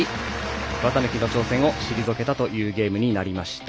綿貫の挑戦を退けたというゲームになりました。